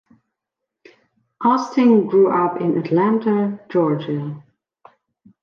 Austin grew up in Atlanta, Georgia.